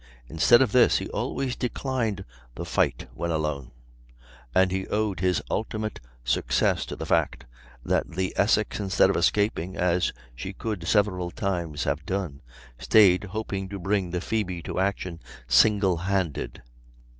Instead of this he always declined the fight when alone; and he owed his ultimate success to the fact that the Essex instead of escaping, as she could several times have done, stayed, hoping to bring the Phoebe to action single handed.